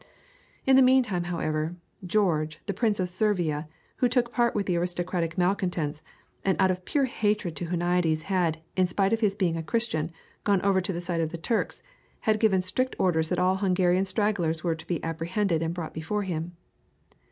In the meantime, however, George, the Prince of Servia, who took part with the aristocratic malcontents, and out of pure hatred to Huniades had, in spite of his being a Christian, gone over to the side of the Turks, had given strict orders that all Hungarian stragglers were to be apprehended and brought before him.